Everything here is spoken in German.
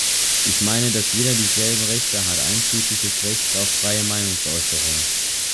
Ich meine, dass jeder dieselben Rechte hat, einschließlich des Rechts auf freie Meinungsäußerung.